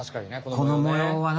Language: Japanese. この模様はな。